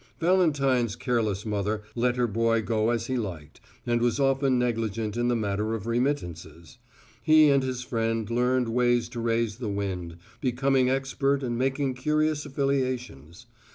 Valentine's careless mother let her boy go as he liked, and was often negligent in the matter of remittances: he and his friend learned ways to raise the wind, becoming expert and making curious affiliations.